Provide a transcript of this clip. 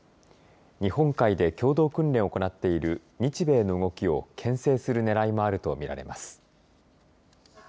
日本海で共同訓練を行っている日米の動きをけん制する狙いもあるとみられます。